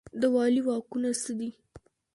د والي واکونه څه دي؟